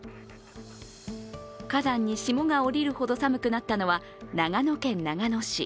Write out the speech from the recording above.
花壇に霜が降りるほど寒くなったのは長野県長野市。